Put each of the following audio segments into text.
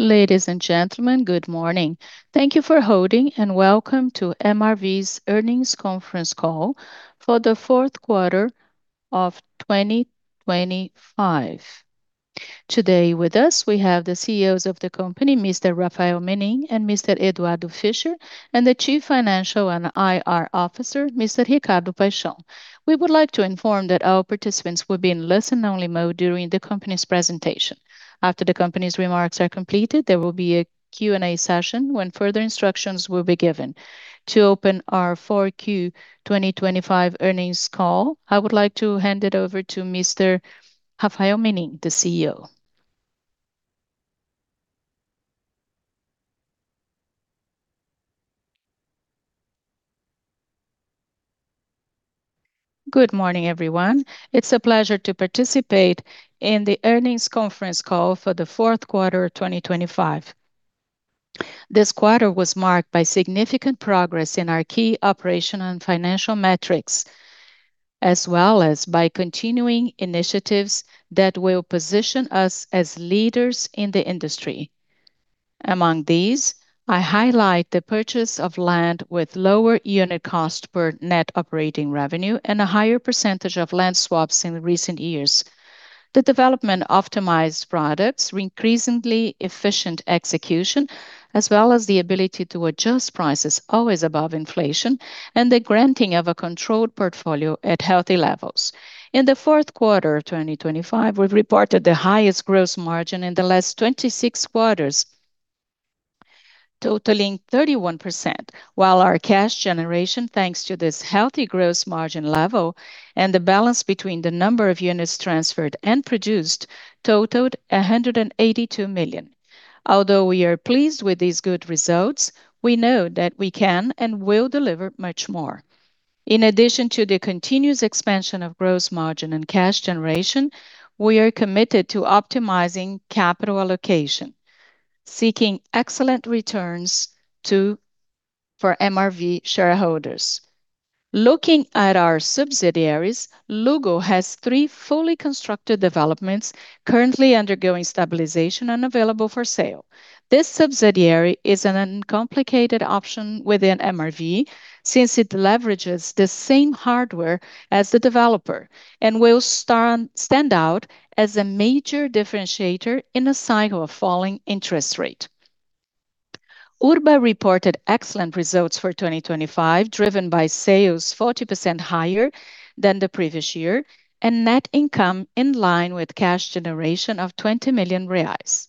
Ladies and gentlemen, good morning. Thank you for holding. Welcome to MRV's earnings conference call for the 4th quarter of 2025. Today with us, we have the CEOs of the company, Mr. Rafael Menin and Mr. Eduardo Fischer. The Chief Financial and IR Officer, Mr. Ricardo Paixão. We would like to inform that our participants will be in listen only mode during the company's presentation. After the company's remarks are completed, there will be a Q&A session when further instructions will be given. To open our 4Q 2025 earnings call, I would like to hand it over to Mr. Rafael Menin, the CEO. Good morning, everyone. It's a pleasure to participate in the earnings conference call for the 4th quarter of 2025. This quarter was marked by significant progress in our key operational and financial metrics, as well as by continuing initiatives that will position us as leaders in the industry. Among these, I highlight the purchase of land with lower unit cost per net operating revenue and a higher percentage of land swaps in the recent years. The development optimized products, increasingly efficient execution, as well as the ability to adjust prices always above inflation, and the granting of a controlled portfolio at healthy levels. In the fourth quarter of 2025, we've reported the highest gross margin in the last 26 quarters, totaling 31%. While our cash generation, thanks to this healthy gross margin level and the balance between the number of units transferred and produced totaled 182 million. Although we are pleased with these good results, we know that we can and will deliver much more. In addition to the continuous expansion of gross margin and cash generation, we are committed to optimizing capital allocation, seeking excellent returns for MRV shareholders. Looking at our subsidiaries, Luggo has three fully constructed developments currently undergoing stabilization and available for sale. This subsidiary is an uncomplicated option within MRV since it leverages the same hardware as the developer and will stand out as a major differentiator in a cycle of falling interest rate. Urba reported excellent results for 2025, driven by sales 40% higher than the previous year and net income in line with cash generation of 20 million reais.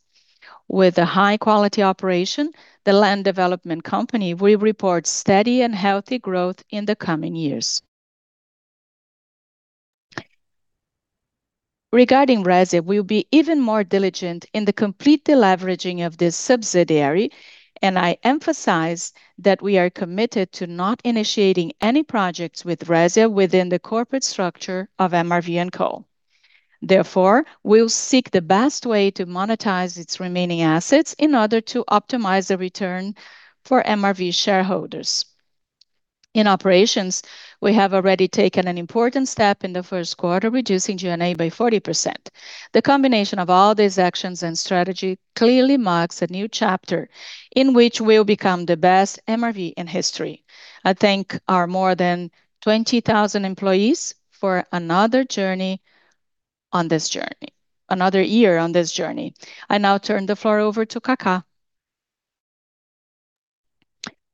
With a high-quality operation, the land development company will report steady and healthy growth in the coming years. Regarding Resia, we'll be even more diligent in the complete deleveraging of this subsidiary. I emphasize that we are committed to not initiating any projects with Resia within the corporate structure of MRV&Co. We'll seek the best way to monetize its remaining assets in order to optimize the return for MRV shareholders. In operations, we have already taken an important step in the first quarter, reducing G&A by 40%. The combination of all these actions and strategy clearly marks a new chapter in which we'll become the best MRV in history. I thank our more than 20,000 employees for another year on this journey. I now turn the floor over to Ricardo.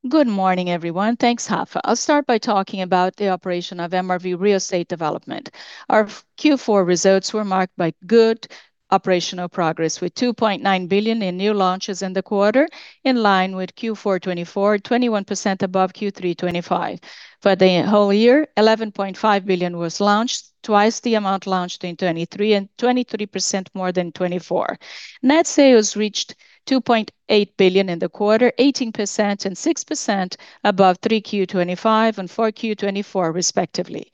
Good morning, everyone. Thanks, Rafael. I'll start by talking about the operation of MRV Real Estate Development. Our Q four results were marked by good operational progress, with 2.9 billion in new launches in the quarter, in line with Q4 2024, 21% above Q3 2025. For the whole year, 11.5 billion was launched, twice the amount launched in 2023 and 23% more than 2024. Net sales reached 2.8 billion in the quarter, 18% and 6% above Q3 2025 and Q4 2024 respectively.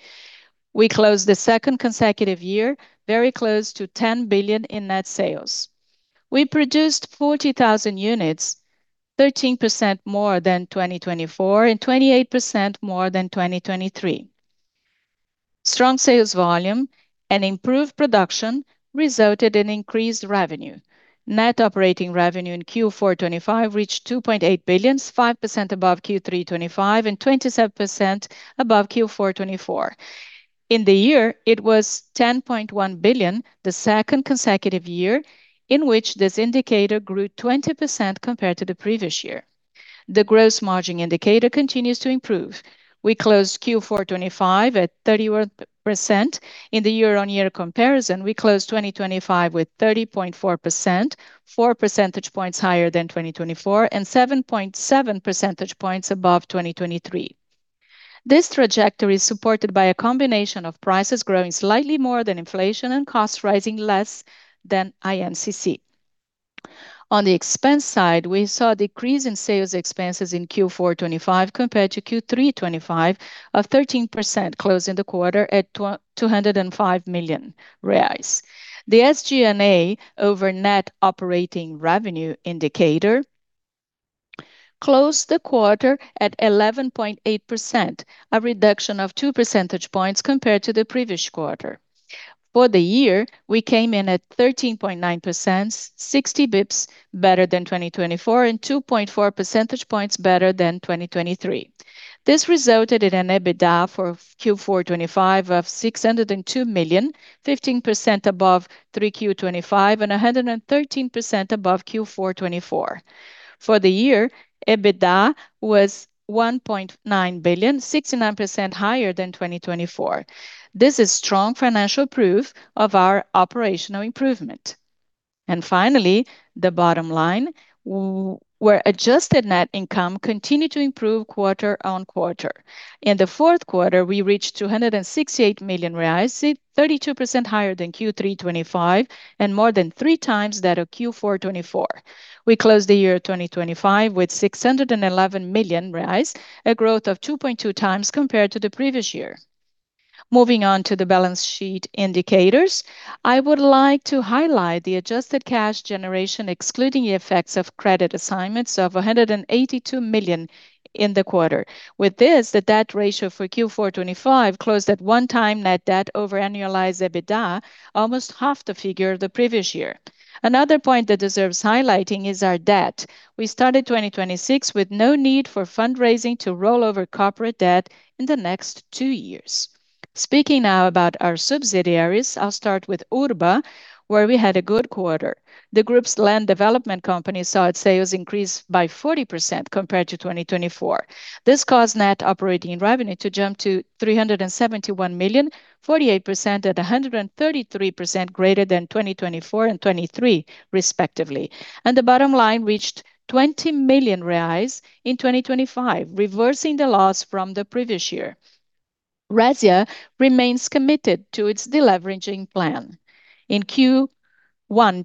We closed the second consecutive year, very close to 10 billion in net sales. We produced 40,000 units, 13% more than 2024 and 28% more than 2023. Strong sales volume and improved production resulted in increased revenue. Net operating revenue in Q4 2025 reached 2.8 billion, 5% above Q3 2025 and 27% above Q4 2024. In the year, it was 10.1 billion, the second consecutive year in which this indicator grew 20% compared to the previous year. The gross margin indicator continues to improve. We closed Q4 2025 at 31%. In the year-over-year comparison, we closed 2025 with 30.4%, 4 percentage points higher than 2024 and 7.7 percentage points above 2023. This trajectory is supported by a combination of prices growing slightly more than inflation and costs rising less than INCC. On the expense side, we saw a decrease in sales expenses in Q4 2025 compared to Q3 2025 of 13%, closing the quarter at 205 million reais. The SG&A over net operating revenue indicator closed the quarter at 11.8%, a reduction of 2 percentage points compared to the previous quarter. For the year, we came in at 13.9%, 60 basis points better than 2024, and 2.4 percentage points better than 2023. This resulted in an EBITDA for Q4 2025 of 602 million, 15% above 3Q 2025, and 113% above Q4 2024. For the year, EBITDA was 1.9 billion, 69% higher than 2024. This is strong financial proof of our operational improvement. Finally, the bottom line, where adjusted net income continued to improve quarter-over-quarter. In the fourth quarter, we reached 268 million reais, 32% higher than Q3 2025 and more than 3x that of Q4 2024. We closed the year 2025 with 611 million reais, a growth of 2.2x compared to the previous year. Moving on to the balance sheet indicators, I would like to highlight the adjusted cash generation, excluding the effects of credit assignments, of 182 million in the quarter. With this, the debt ratio for Q4 2025 closed at one time net debt over annualized EBITDA, almost half the figure of the previous year. Another point that deserves highlighting is our debt. We started 2026 with no need for fundraising to roll over corporate debt in the next two years. Speaking now about our subsidiaries, I'll start with Urba, where we had a good quarter. The group's land development company saw its sales increase by 40% compared to 2024. This caused net operating revenue to jump to 371 million, 48% at 133% greater than 2024 and 2023 respectively. The bottom line reached 20 million reais in 2025, reversing the loss from the previous year. Resia remains committed to its deleveraging plan. In Q1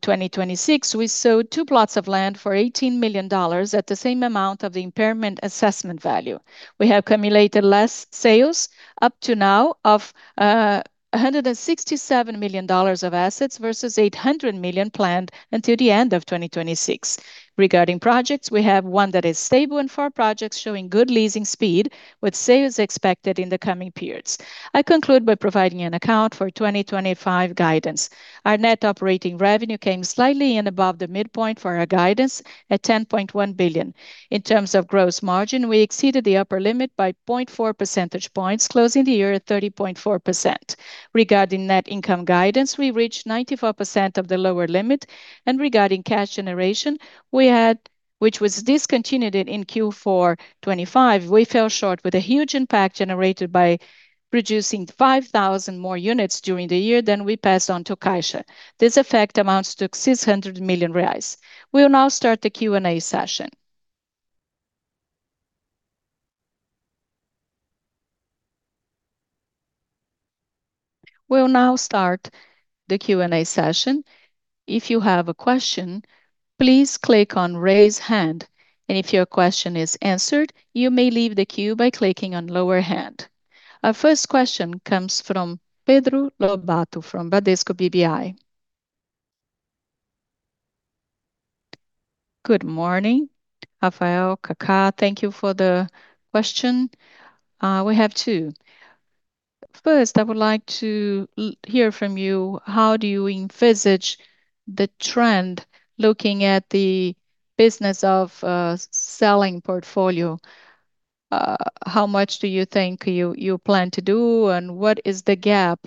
2026, we sold 2 plots of land for $18 million at the same amount of the impairment assessment value. We have cumulated less sales up to now of $167 million of assets versus $800 million planned until the end of 2026. Regarding projects, we have 1 that is stable and 4 projects showing good leasing speed with sales expected in the coming periods. I conclude by providing an account for 2025 guidance. Our net operating revenue came slightly in above the midpoint for our guidance at 10.1 billion. In terms of gross margin, we exceeded the upper limit by 0.4 percentage points, closing the year at 30.4%. Regarding net income guidance, we reached 94% of the lower limit. Regarding cash generation, which was discontinued in Q4 2025, we fell short with a huge impact generated by producing 5,000 more units during the year than we passed on to Caixa. This effect amounts to 600 million reais. We will now start the Q&A session. We'll now start the Q&A session. If you have a question, please click on Raise Hand. If your question is answered, you may leave the queue by clicking on Lower Hand. Our first question comes from Pedro Lobato from Bradesco BBI. Good morning, Rafael, Ricardo. Thank you for the question. We have two. First, I would like to hear from you, how do you envisage the trend looking at the business of selling portfolio? How much do you think you plan to do, and what is the gap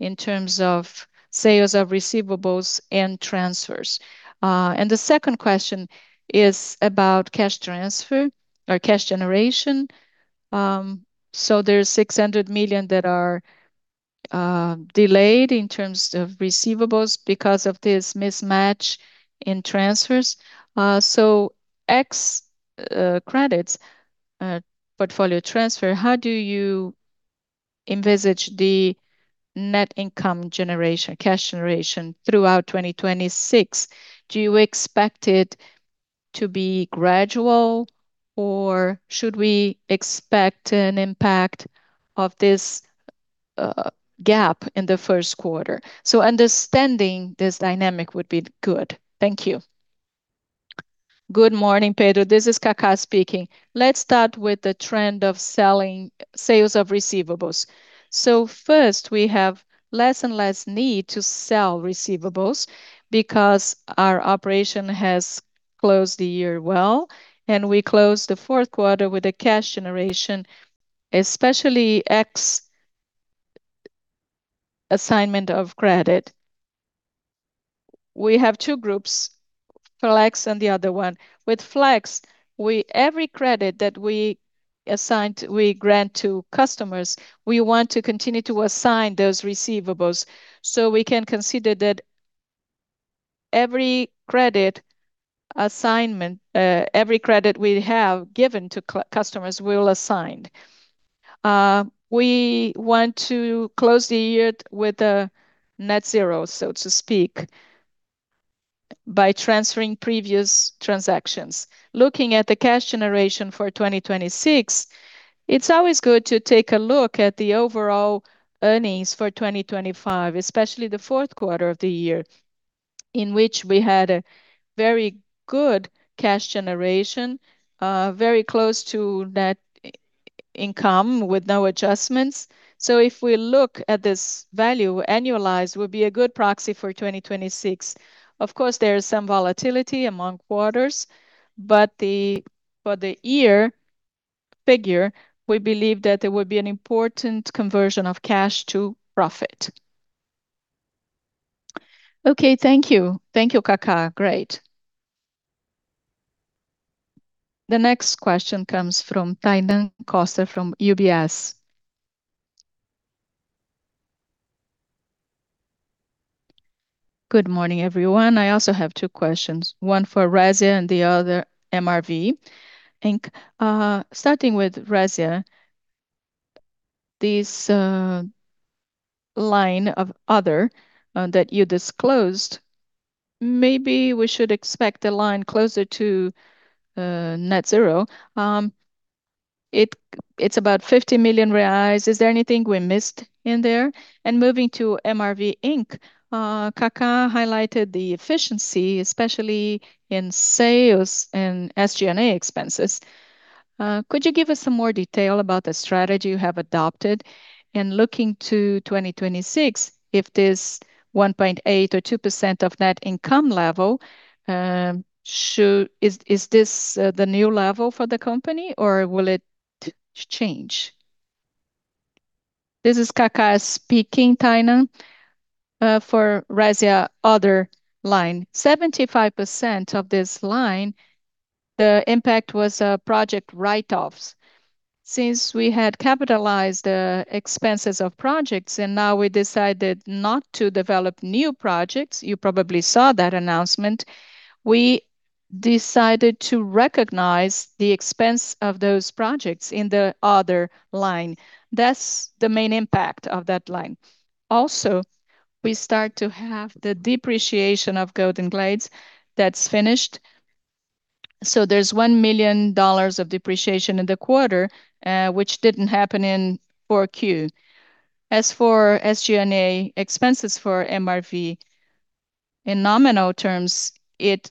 in terms of sales of receivables and transfers? The second question is about cash transfer or cash generation. There's 600 million that are delayed in terms of receivables because of this mismatch in transfers. Credits portfolio transfer, how do you envisage the net income generation, cash generation throughout 2026? Do you expect it to be gradual, or should we expect an impact of this gap in the first quarter? Understanding this dynamic would be good. Thank you. Good morning, Pedro. This is Ricardo speaking. Let's start with the trend of selling sales of receivables. First, we have less and less need to sell receivables because our operation has closed the year well, and we closed the fourth quarter with a cash generation, especially ex assignment of credit. We have two groups, Flex and the other one. With Flex, every credit that we grant to customers, we want to continue to assign those receivables. We can consider that every credit assignment, every credit we have given to customers, we'll assign. We want to close the year with a net zero, so to speak, by transferring previous transactions. Looking at the cash generation for 2026, it's always good to take a look at the overall earnings for 2025, especially the fourth quarter of the year. In which we had a very good cash generation, very close to net income with no adjustments. value, annualized would be a good proxy for 2026. Of course, there is some volatility among quarters, but the year figure, we believe that there would be an important conversion of cash to profit. Okay, thank you. Thank you, Ricardo. Great. The next question comes from Tainan Costa from UBS. Good morning, everyone. I also have two questions, one for Resia and the other MRV&Co. Starting with Resia, this line of other that you disclosed, maybe we should expect a line closer to net zero. It's about 50 million reais. Is there anything we missed in there? And moving to MRV&Co, Ricardo highlighted the efficiency, especially in sales and SG&A expenses. Could you give us some more detail about the strategy you have adopted? Looking to 2026, if this 1.8% or 2% of net income level, is this the new level for the company, or will it change? This is Ricardo speaking, Tainan. For Resia other line. 75% of this line, the impact was project write-offs. Since we had capitalized the expenses of projects and now we decided not to develop new projects, you probably saw that announcement. We decided to recognize the expense of those projects in the other line. That's the main impact of that line. Also, we start to have the depreciation of Golden Glades that's finished. There's $1 million of depreciation in the quarter, which didn't happen in 4Q. As for SG&A expenses for MRV, in nominal terms, it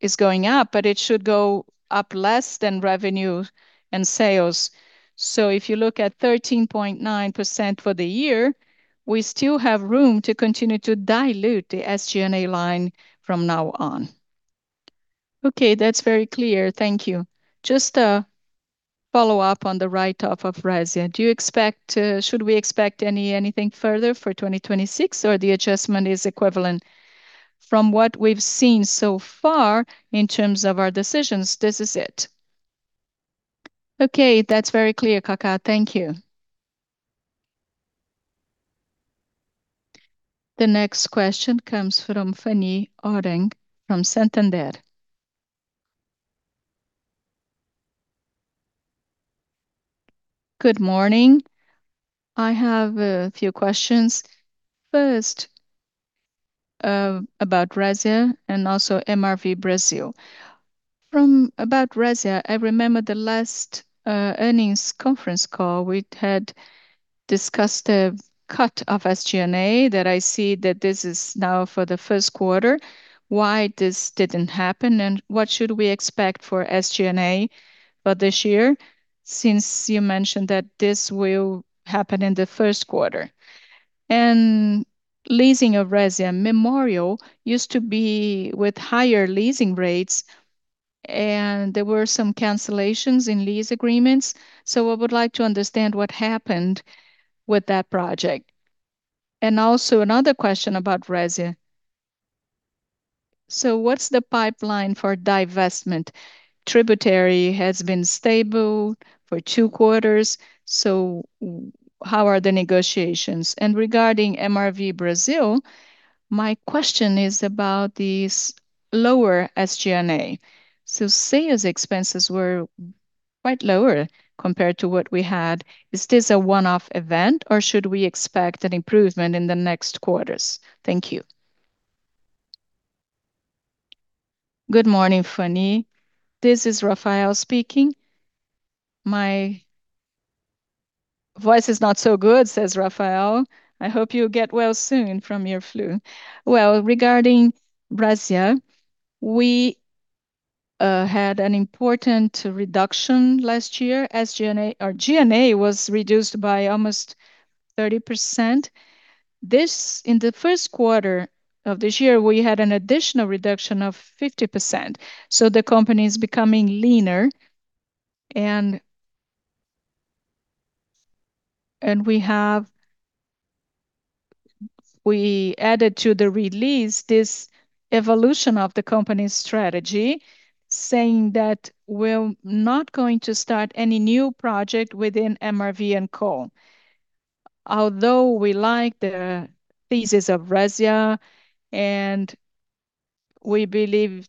is going up, but it should go up less than revenue and sales. If you look at 13.9% for the year, we still have room to continue to dilute the SG&A line from now on. Okay, that's very clear. Thank you. Just a follow-up on the write-off of Resia. Do you expect, should we expect anything further for 2026, or the adjustment is equivalent? From what we've seen so far in terms of our decisions, this is it. Okay, that's very clear, Ricardo. Thank you. The next question comes from Fanny Oreng from Santander. Good morning. I have a few questions. First, about Resia and also MRV Brazil. About Resia, I remember the last earnings conference call, we had discussed a cut of SG&A that I see that this is now for the first quarter. Why this didn't happen, what should we expect for SG&A for this year, since you mentioned that this will happen in the first quarter? Leasing of Resia Memorial used to be with higher leasing rates, and there were some cancellations in lease agreements. I would like to understand what happened with that project. Also another question about Resia. What's the pipeline for divestment? Tributary has been stable for two quarters. How are the negotiations? Regarding MRV Brazil, my question is about this lower SG&A. Sales expenses were quite lower compared to what we had. Is this a one-off event, or should we expect an improvement in the next quarters? Thank you. Good morning, Fanny. This is Rafael speaking. My voice is not so good, says Rafael. I hope you get well soon from your flu. Regarding Resia, we had an important reduction last year. G&A was reduced by almost 30%. In the first quarter of this year, we had an additional reduction of 50%. The company is becoming leaner and we added to the release this evolution of the company's strategy, saying that we're not going to start any new project within MRV&Co. Although we like the thesis of Resia, and we believe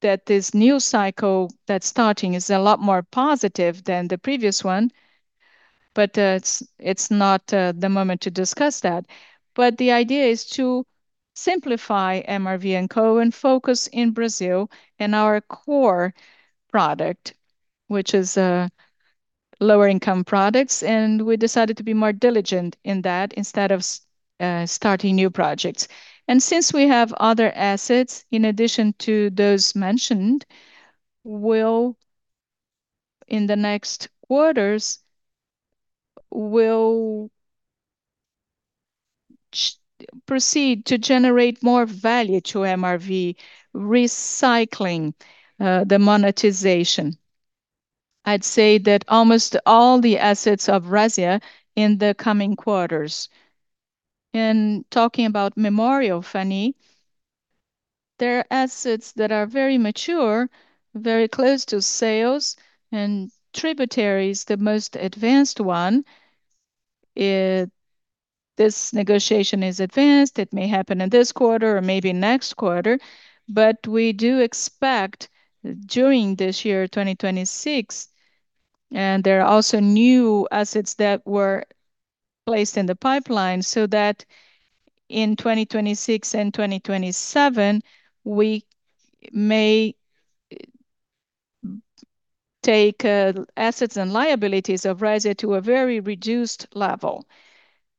that this new cycle that's starting is a lot more positive than the previous one, it's not the moment to discuss that. The idea is to simplify MRV&Co and focus in Brazil in our core product, which is lower income products, and we decided to be more diligent in that instead of starting new projects. Since we have other assets in addition to those mentioned, we'll, in the next quarters, we'll proceed to generate more value to MRV, recycling the monetization. I'd say that almost all the assets of Resia in the coming quarters. In talking about Memorial, Fanny, there are assets that are very mature, very close to sales, and Tributary is the most advanced one. This negotiation is advanced. It may happen in this quarter or maybe next quarter. We do expect during this year, 2026, there are also new assets that were placed in the pipeline so that in 2026 and 2027, we may take assets and liabilities of Resia to a very reduced level.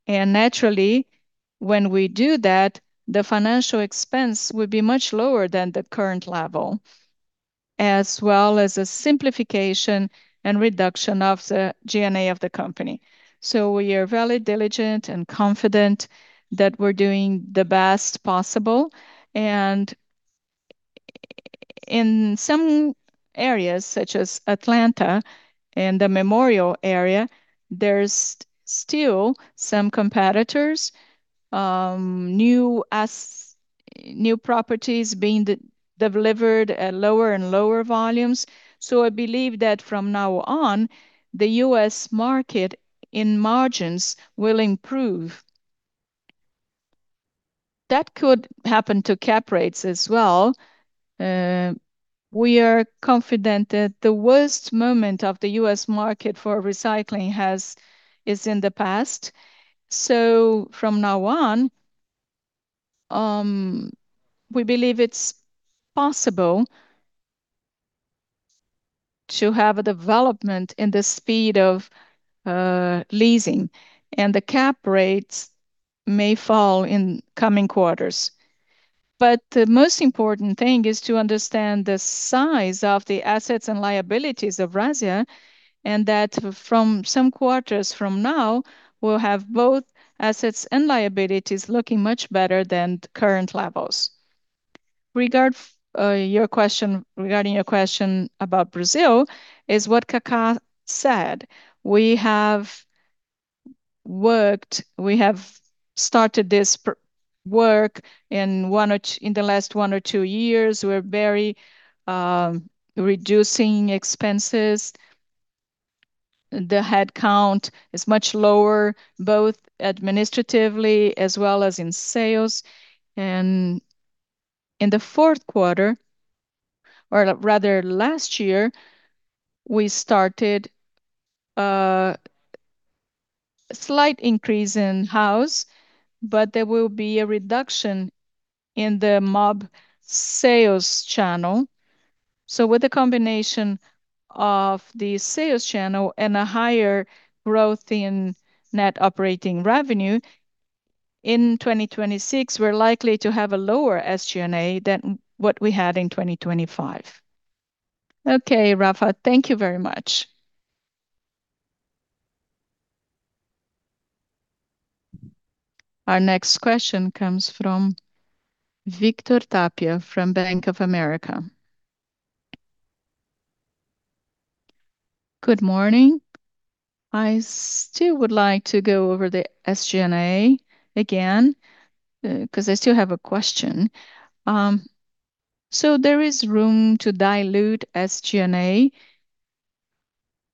Naturally, when we do that, the financial expense will be much lower than the current level, as well as a simplification and reduction of the G&A of the company. We are very diligent and confident that we're doing the best possible. In some areas, such as Atlanta and the Memorial area, there's still some competitors, new properties being delivered at lower and lower volumes. I believe that from now on, the U.S. market in margins will improve. That could happen to cap rates as well. We are confident that the worst moment of the U.S. market for recycling is in the past. From now on, we believe it's possible to have a development in the speed of leasing, and the cap rates may fall in coming quarters. The most important thing is to understand the size of the assets and liabilities of Resia, and that from some quarters from now, we'll have both assets and liabilities looking much better than current levels. Regarding your question about Brazil is what Ricardo said. We have worked, we have started work in the last one or two years. We're very reducing expenses. The headcount is much lower, both administratively as well as in sales. In the fourth quarter, or rather last year, we started a slight increase in house, but there will be a reduction in the mob sales channel. With the combination of the sales channel and a higher growth in net operating revenue, in 2026, we're likely to have a lower SG&A than what we had in 2025. Okay, Rafael, thank you very much. Our next question comes from Victor Tapia from Bank of America. Good morning. I still would like to go over the SG&A again because I still have a question. There is room to dilute SG&A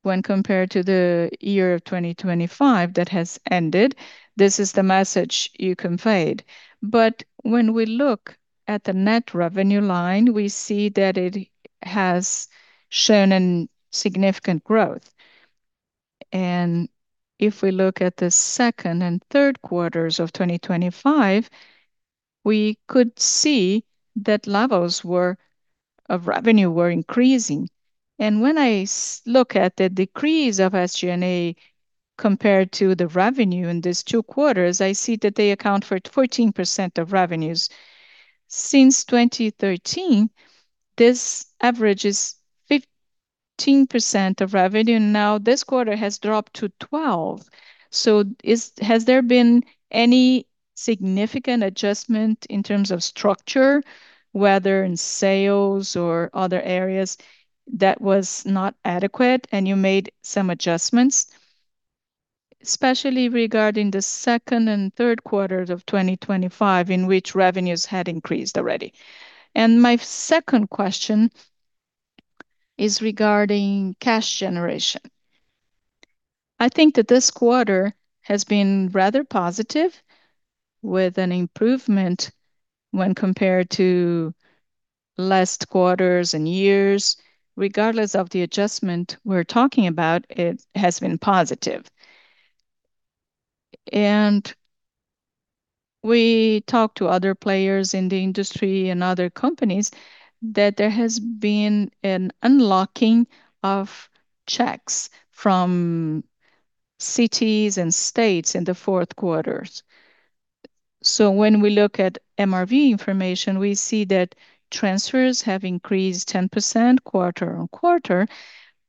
when compared to the year 2025 that has ended. This is the message you conveyed. When we look at the net revenue line, we see that it has shown an significant growth. If we look at the second and third quarters of 2025, we could see that levels of revenue were increasing. When I look at the decrease of SG&A compared to the revenue in these two quarters, I see that they account for 14% of revenues. Since 2013, this average is 15% of revenue. This quarter has dropped to 12%. Has there been any significant adjustment in terms of structure, whether in sales or other areas that was not adequate and you made some adjustments, especially regarding the second and third quarters of 2025, in which revenues had increased already? My second question is regarding cash generation. I think that this quarter has been rather positive with an improvement when compared to last quarters and years. Regardless of the adjustment we're talking about, it has been positive. We talked to other players in the industry and other companies that there has been an unlocking of checks from cities and states in the fourth quarters. When we look at MRV information, we see that transfers have increased 10% quarter-on-quarter,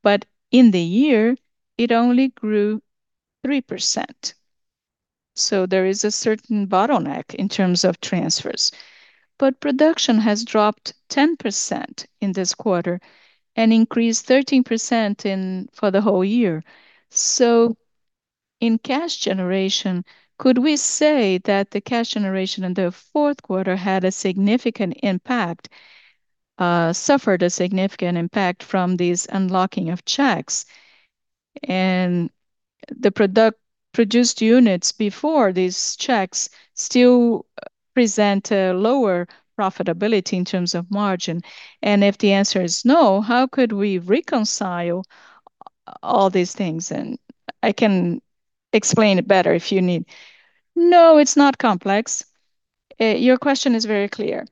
but in the year it only grew 3%. There is a certain bottleneck in terms of transfers. Production has dropped 10% in this quarter and increased 13% for the whole year. In cash generation, could we say that the cash generation in the fourth quarter had a significant impact, suffered a significant impact from these unlocking of checks? The produced units before these checks still present a lower profitability in terms of margin. If the answer is no, how could we reconcile all these things? I can explain it better if you need. No, it's not complex. Your question is very clear.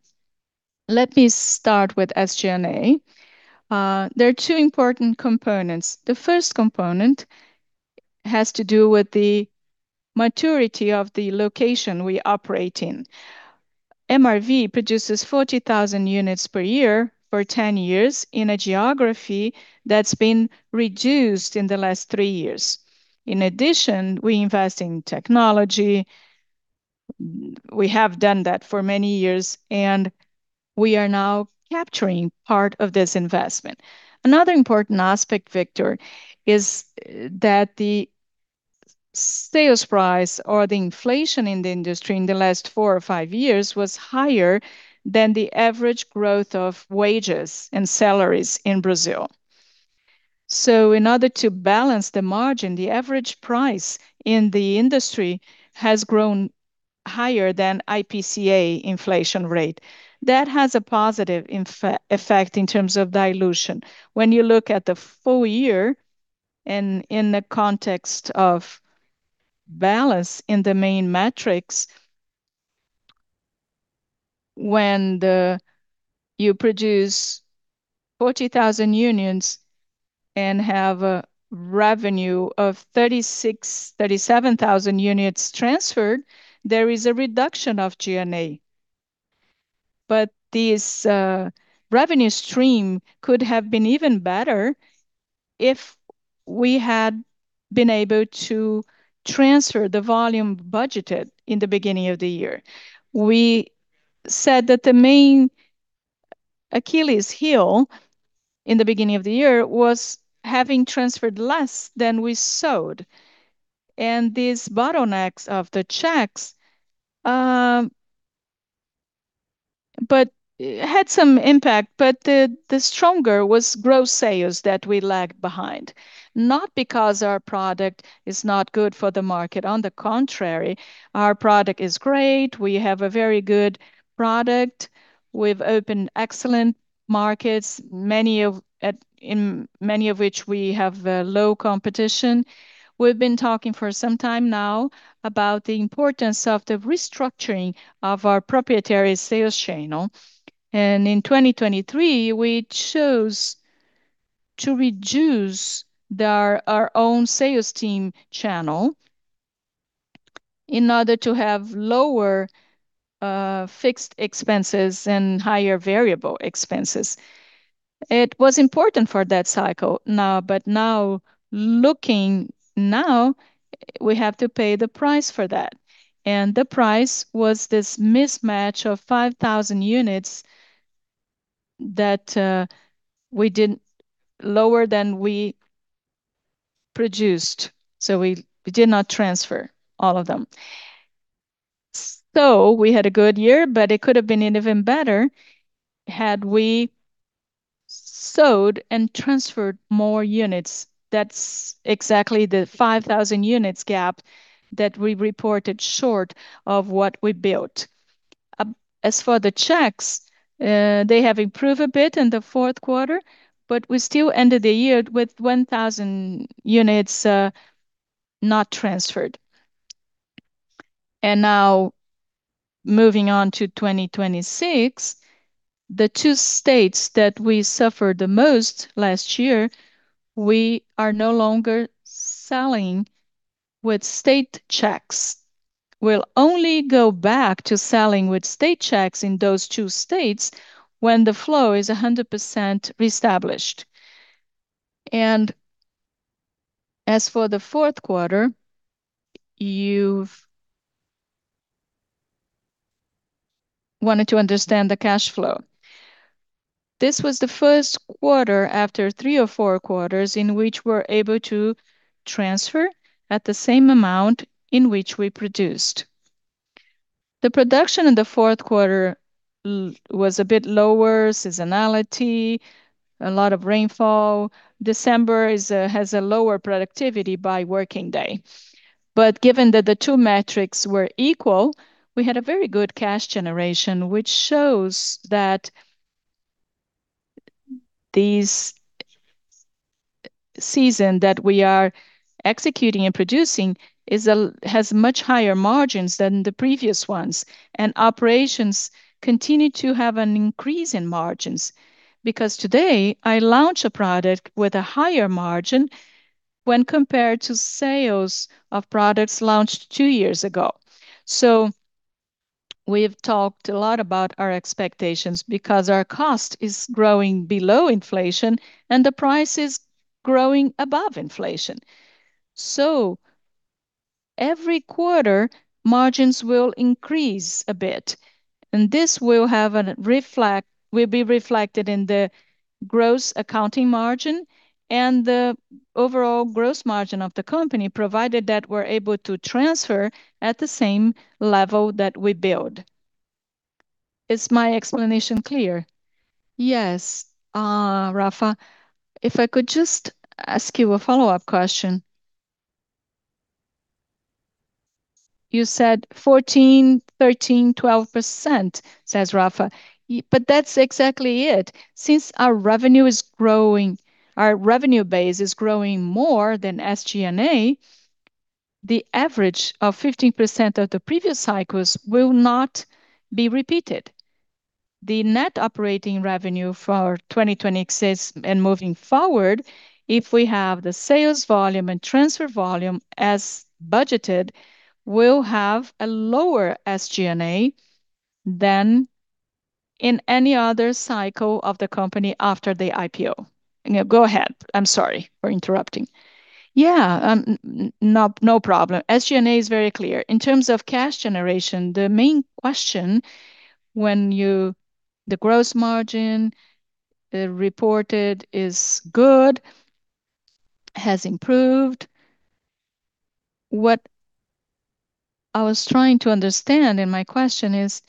Let me start with SG&A. There are two important components. The first component has to do with the maturity of the location we operate in. MRV produces 40,000 units per year for 10 years in a geography that's been reduced in the last three years. In addition, we invest in technology. We have done that for many years. We are now capturing part of this investment. Another important aspect, Victor, is that the sales price or the inflation in the industry in the last four or five years was higher than the average growth of wages and salaries in Brazil. In order to balance the margin, the average price in the industry has grown higher than IPCA inflation rate. That has a positive effect in terms of dilution. You produce 40,000 units and have a revenue of 36,000-37,000 units transferred, there is a reduction of G&A. This revenue stream could have been even better if we had been able to transfer the volume budgeted in the beginning of the year. We said that the main Achilles' heel in the beginning of the year was having transferred less than we sowed. These bottlenecks of the checks, but had some impact. The stronger was gross sales that we lagged behind. Not because our product is not good for the market. On the contrary, our product is great. We have a very good product. We've opened excellent markets, in many of which we have low competition. We've been talking for some time now about the importance of the restructuring of our proprietary sales channel. In 2023 we chose to reduce our own sales team channel in order to have lower fixed expenses and higher variable expenses. It was important for that cycle. Now, looking now, we have to pay the price for that. The price was this mismatch of 5,000 units that we did lower than we produced. We did not transfer all of them. We had a good year, but it could have been even better had we sowed and transferred more units. That's exactly the 5,000 units gap that we reported short of what we built. As for the checks, they have improved a bit in the fourth quarter, but we still ended the year with 1,000 units not transferred. Now moving on to 2026, the two states that we suffered the most last year, we are no longer selling with state checks. We'll only go back to selling with state checks in those two states when the flow is 100% reestablished. As for the fourth quarter, you've wanted to understand the cash flow. This was the first quarter after three or four quarters in which we're able to transfer at the same amount in which we produced. The production in the fourth quarter was a bit lower, seasonality, a lot of rainfall. December has a lower productivity by working day. Given that the two metrics were equal, we had a very good cash generation, which shows thatThese season that we are executing and producing has much higher margins than the previous ones. Operations continue to have an increase in margins because today I launch a product with a higher margin when compared to sales of products launched two years ago. We've talked a lot about our expectations because our cost is growing below inflation, and the price is growing above inflation. Every quarter margins will increase a bit, and this will be reflected in the gross accounting margin and the overall gross margin of the company, provided that we're able to transfer at the same level that we build. Is my explanation clear? Yes. Rafael, if I could just ask you a follow-up question. You said 14%, 13%, 12%, says Rafael. That's exactly it. Since our revenue is growing, our revenue base is growing more than SG&A, the average of 15% of the previous cycles will not be repeated. The net operating revenue for 2020 exists, and moving forward, if we have the sales volume and transfer volume as budgeted, we'll have a lower SG&A than in any other cycle of the company after the IPO. Go ahead. I'm sorry for interrupting. Yeah, no problem. SG&A is very clear. In terms of cash generation, the main question The gross margin reported is good, has improved. What I was trying to understand in my question is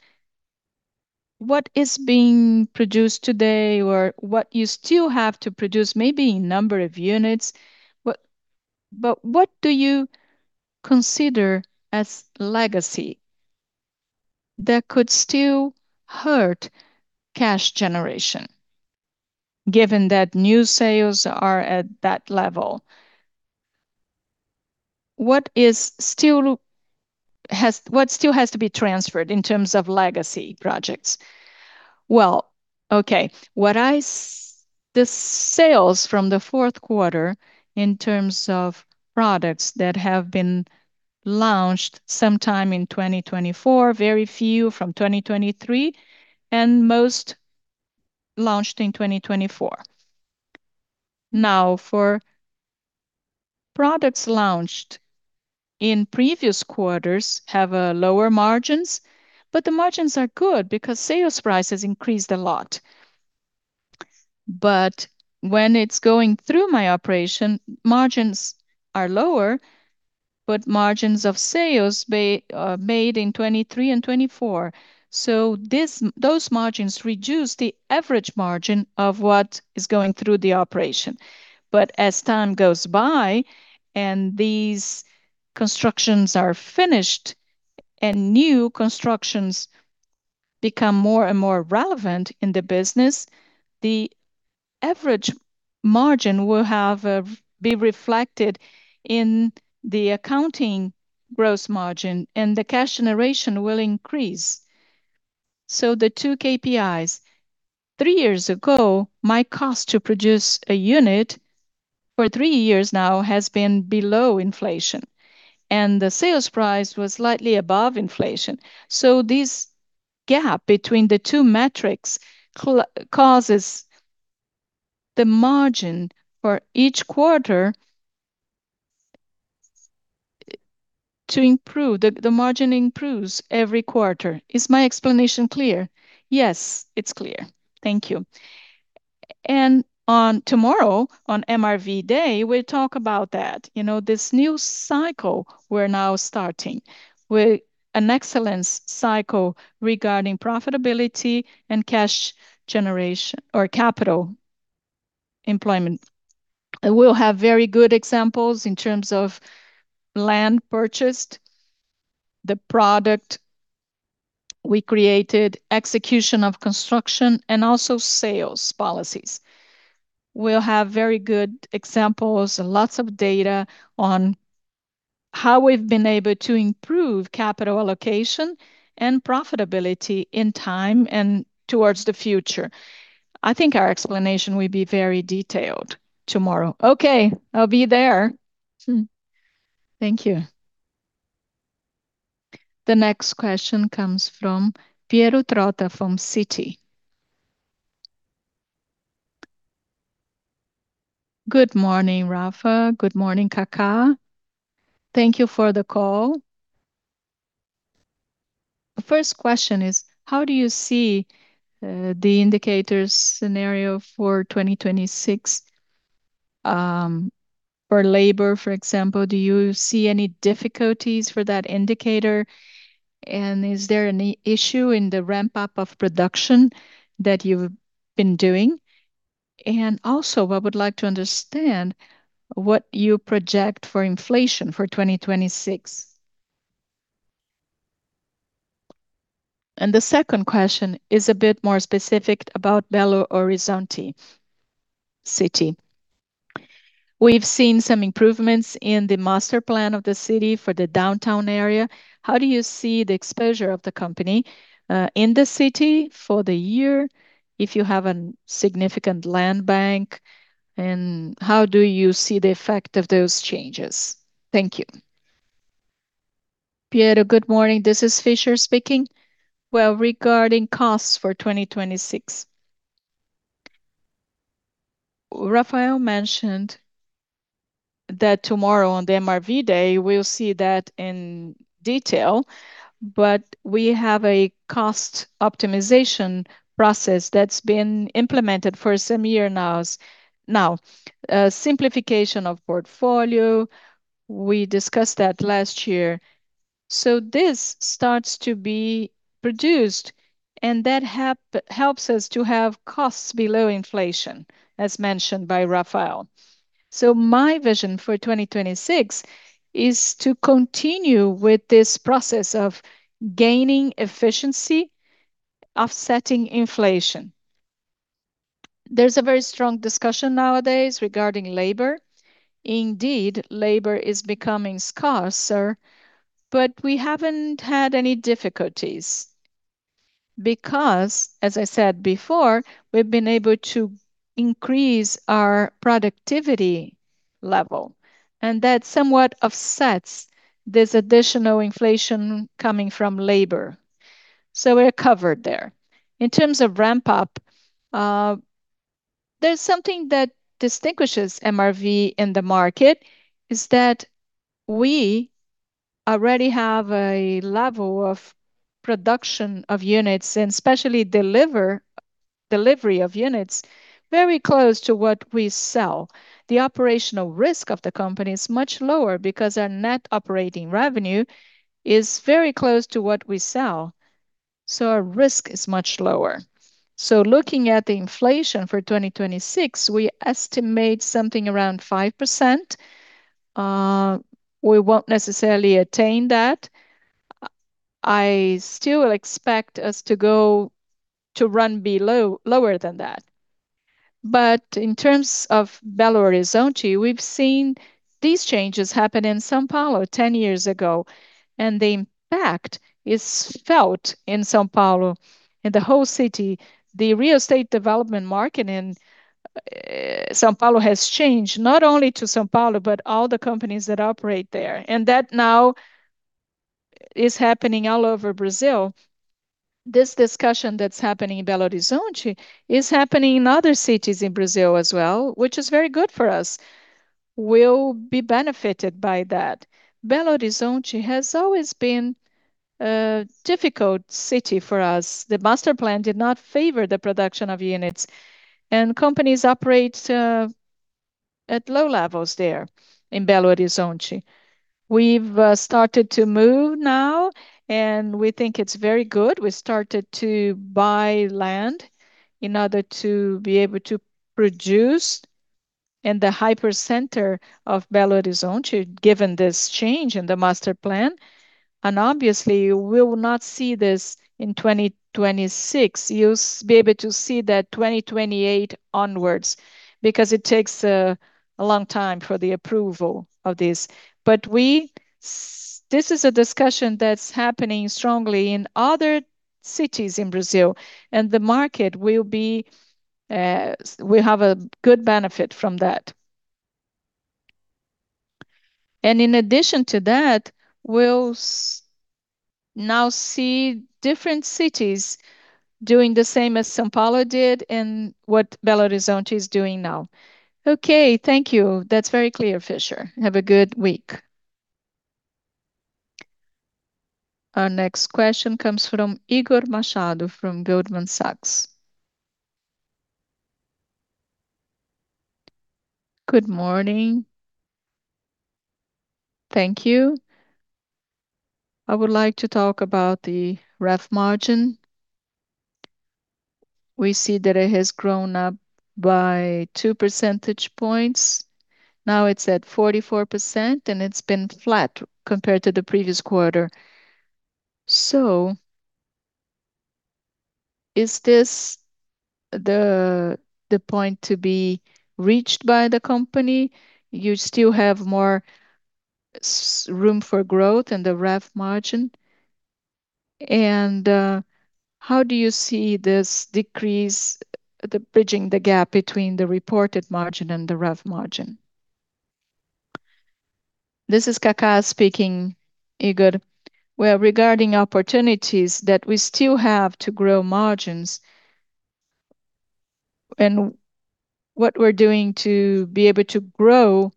what is being produced today or what you still have to produce, maybe in number of units, but what do you consider as legacy that could still hurt cash generation given that new sales are at that level? What still has to be transferred in terms of legacy projects? Well, okay. The sales from the fourth quarter in terms of products that have been launched sometime in 2024, very few from 2023, and most launched in 2024. For products launched in previous quarters have a lower margins, but the margins are good because sales price has increased a lot. When it's going through my operation, margins are lower, margins of sales made in 2023 and 2024. Those margins reduce the average margin of what is going through the operation. As time goes by and these constructions are finished and new constructions become more and more relevant in the business, the average margin will be reflected in the accounting gross margin, and the cash generation will increase. The two KPIs. Three years ago, my cost to produce a unit for three years now has been below inflation, and the sales price was slightly above inflation. This gap between the two metrics causes the margin for each quarter to improve. The margin improves every quarter. Is my explanation clear? Yes, it's clear. Thank you. On tomorrow, on MRV Day, we'll talk about that. You know, this new cycle we're now starting with an excellent cycle regarding profitability and cash generation or capital employment. I will have very good examples in terms of land purchased, the product we created, execution of construction, and also sales policies. We'll have very good examples and lots of data on how we've been able to improve capital allocation and profitability in time and towards the future. I think our explanation will be very detailed tomorrow. Okay, I'll be there. Thank you. The next question comes from Piero Trotta from Citi. Good morning, Rafael. Good morning, Ricardo. Thank you for the call. The first question is: how do you see the indicators scenario for 2026 for labor, for example? Do you see any difficulties for that indicator, and is there any issue in the ramp-up of production that you've been doing? Also, I would like to understand what you project for inflation for 2026. The second question is a bit more specific about Belo Horizonte City. We've seen some improvements in the master plan of the city for the downtown area. How do you see the exposure of the company in the city for the year if you have an significant land bank, and how do you see the effect of those changes? Thank you. Piero, good morning. This is Fisher speaking. Regarding costs for 2026, Rafael mentioned that tomorrow on the MRV Day, we'll see that in detail, but we have a cost optimization process that's been implemented for some year now. Simplification of portfolio, we discussed that last year. This starts to be produced, and that helps us to have costs below inflation, as mentioned by Rafael. My vision for 2026 is to continue with this process of gaining efficiency, offsetting inflation. There's a very strong discussion nowadays regarding labor. Indeed, labor is becoming scarcer, but we haven't had any difficulties, because, as I said before, we've been able to increase our productivity level, and that somewhat offsets this additional inflation coming from labor. We're covered there. In terms of ramp up, there's something that distinguishes MRV in the market, is that we already have a level of production of units, and especially delivery of units very close to what we sell. The operational risk of the company is much lower because our net operating revenue is very close to what we sell, so our risk is much lower. Looking at the inflation for 2026, we estimate something around 5%. We won't necessarily attain that. I still expect us to go to run lower than that. In terms of Belo Horizonte, we've seen these changes happen in São Paulo 10 years ago, and the impact is felt in São Paulo, in the whole city. The real estate development market in São Paulo has changed, not only to São Paulo, but all the companies that operate there. That now is happening all over Brazil. This discussion that's happening in Belo Horizonte is happening in other cities in Brazil as well, which is very good for us. We'll be benefited by that. Belo Horizonte has always been a difficult city for us. The master plan did not favor the production of units, and companies operate at low levels there in Belo Horizonte. We've started to move now, and we think it's very good. We started to buy land in order to be able to produce in the hyper-center of Belo Horizonte, given this change in the master plan. Obviously, we will not see this in 2026. You'll be able to see that 2028 onwards because it takes a long time for the approval of this. This is a discussion that's happening strongly in other cities in Brazil, and the market will be. We have a good benefit from that. In addition to that, we'll now see different cities doing the same as São Paulo did and what Belo Horizonte is doing now. Okay, thank you. That's very clear, Fisher. Have a good week. Our next question comes from Igor Machado from Goldman Sachs. Good morning. Thank you. I would like to talk about the REF margin. We see that it has grown up by 2 percentage points. Now it's at 44%, it's been flat compared to the previous quarter. Is this the point to be reached by the company? You still have more room for growth in the REF margin? How do you see this decrease, bridging the gap between the reported margin and the REF margin? This is Ricardo speaking, Igor. Well, regarding opportunities that we still have to grow margins and what we're doing to be able to grow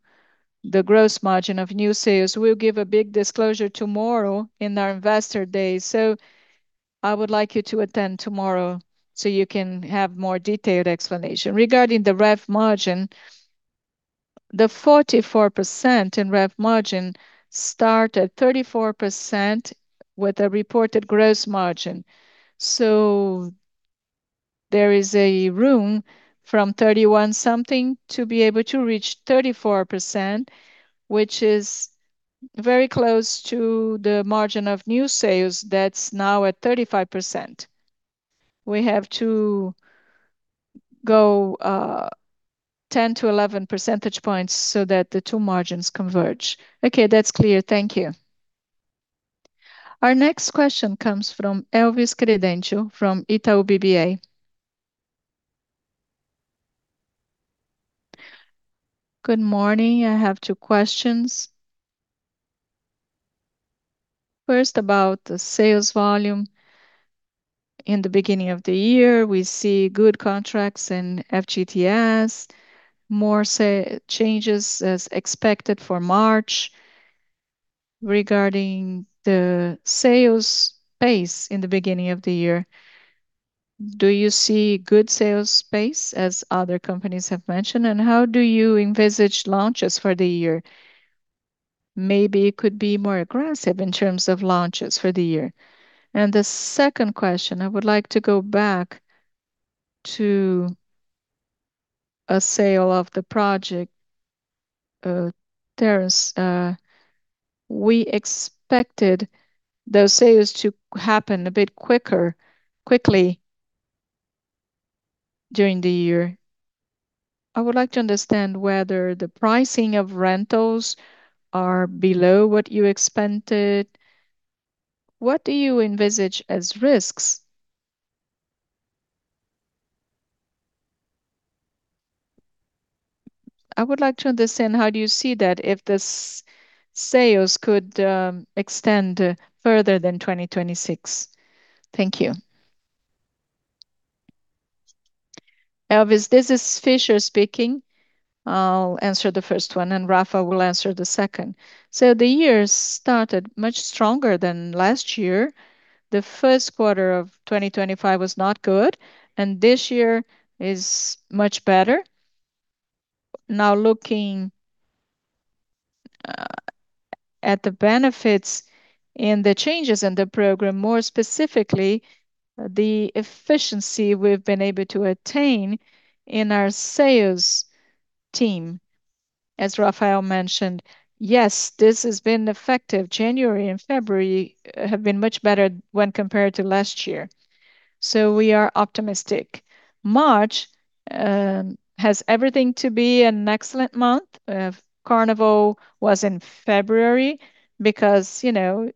the gross margin of new sales, we'll give a big disclosure tomorrow in our MRV Day. I would like you to attend tomorrow, so you can have more detailed explanation. Regarding the REF margin, the 44% in REF margin start at 34% with the reported gross margin. There is a room from 31-something to be able to reach 34%, which is very close to the margin of new sales that's now at 35%. We have to go 10 to 11 percentage points so that the two margins converge. Okay. That's clear. Thank you. Our next question comes from Elvis Credendio from Itaú BBA. Good morning. I have two questions. First, about the sales volume. In the beginning of the year, we see good contracts in FGTS, more changes as expected for March. Regarding the sales base in the beginning of the year, do you see good sales base as other companies have mentioned? How do you envisage launches for the year? Maybe it could be more aggressive in terms of launches for the year. The second question, I would like to go back to a sale of the project, Tributary. We expected those sales to happen a bit quicker, quickly during the year. I would like to understand whether the pricing of rentals are below what you expected. What do you envisage as risks? I would like to understand how do you see that if the sales could extend further than 2026. Thank you. Elvis, this is Fischer speaking. I'll answer the first one. Rafael will answer the second. The year started much stronger than last year. The first quarter of 2025 was not good. This year is much better. Now looking at the benefits and the changes in the program, more specifically the efficiency we've been able to attain in our sales team, as Rafael mentioned, yes, this has been effective. January and February have been much better when compared to last year. We are optimistic. March has everything to be an excellent month. Carnival was in February, because, you know.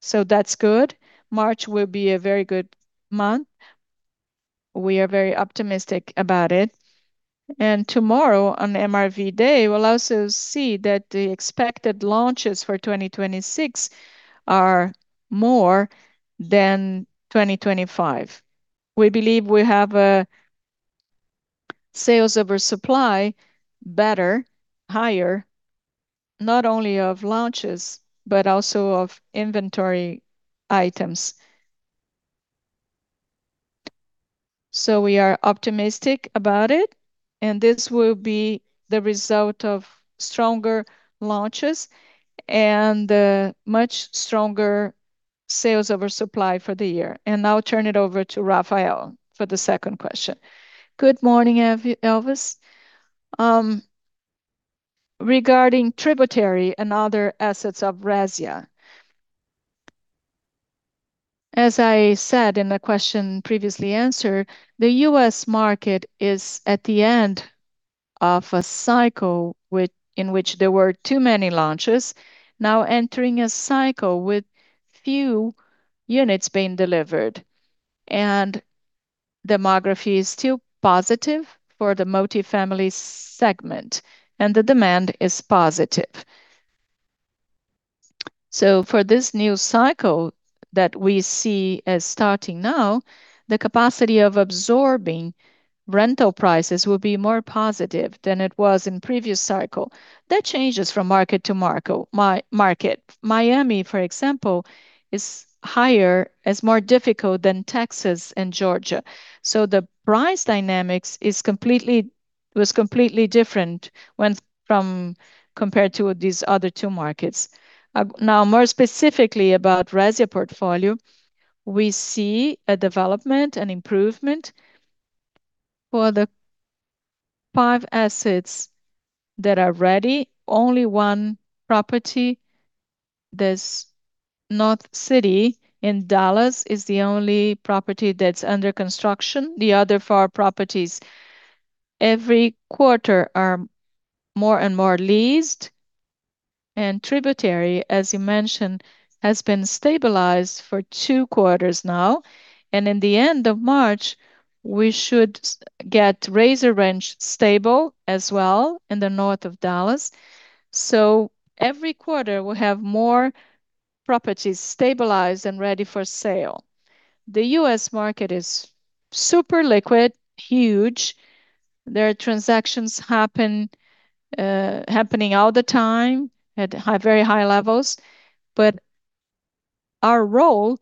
That's good. March will be a very good month. We are very optimistic about it. Tomorrow on MRV Day, we'll also see that the expected launches for 2026 are more than 2025. We believe we have a sales over supply better, higher, not only of launches, but also of inventory items. We are optimistic about it, and this will be the result of stronger launches and a much stronger sales over supply for the year. I'll turn it over to Rafael for the second question. Good morning, Elvis. Regarding Tributary and other assets of Resia, as I said in the question previously answered, the U.S. market is at the end of a cycle in which there were too many launches, now entering a cycle with few units being delivered. Demography is still positive for the multifamily segment, and the demand is positive. For this new cycle that we see as starting now, the capacity of absorbing rental prices will be more positive than it was in previous cycle. That changes from market to market. Miami, for example, is higher, is more difficult than Texas and Georgia. The price dynamics was completely different compared to these other two markets. Now more specifically about Resia portfolio, we see a development, an improvement for the five assets that are ready. Only one property, this North City in Dallas, is the only property that's under construction. The other four properties every quarter are more and more leased. Tributary, as you mentioned, has been stabilized for two quarters now. In the end of March, we should get Rayzor Ranch stable as well in the north of Dallas. Every quarter we'll have more properties stabilized and ready for sale. The U.S. market is super liquid, huge. There are transactions happening all the time at high, very high levels. Our role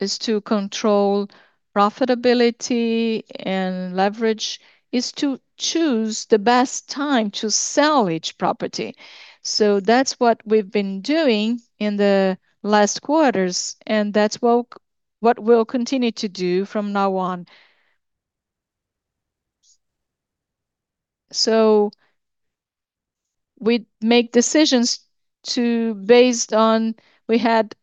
is to control profitability and leverage, is to choose the best time to sell each property. That's what we've been doing in the last quarters, and that's what we'll continue to do from now on. We make decisions based on... We had